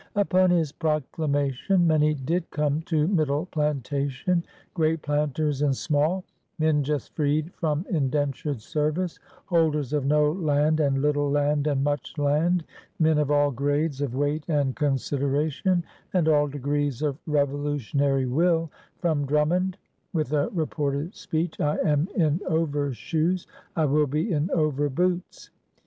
Upon his proclamation many did come to Middle Plantation, great planters and small, men just freed from indentured service, holders of no land and little land and much land, men of all grades REBELUON AND CHANGE 177 of weight and consideration and all d^rees of revolutionary will, from Dnunmond — with a reported speech, "I am in overshoes; I will be in overboots